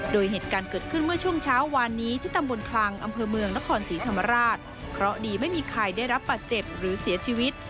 โดยเหตุการณ์เกิดขึ้นเมื่อช่วงเช้าวานนี้ที่ตำบลคลังอำเภอเมืองนครศรีธรรมราชเพราะดีไม่มีใครได้รับบาดเจ็บหรือเสียชีวิต